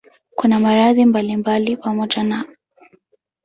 Kuna maradhi mbalimbali pamoja na